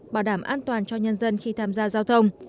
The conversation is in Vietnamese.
bảo đảm an toàn cho nhân dân khi tham gia giao thông